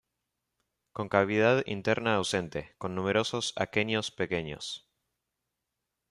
Con cavidad interna ausente, con numerosos aquenios pequeños.